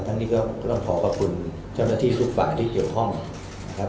นี้ก็ต้องขอขอบคุณเจ้าหน้าที่ทุกฝ่ายที่เกี่ยวข้องนะครับ